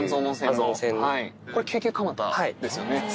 これ、京急蒲田ですよね。